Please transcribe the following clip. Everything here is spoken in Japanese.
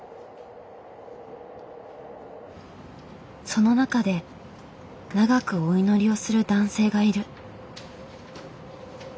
その中で長くお祈りをする男性がいる。